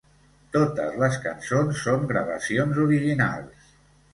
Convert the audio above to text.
Totes les cançons són gravacions originals.